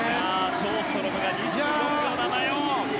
ショーストロムが２５秒７４。